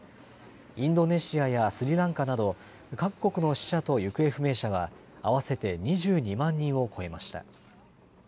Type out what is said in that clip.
インドネシアやスリランカなど各国の死者と行方不明者は合わせて２２万人を超えました。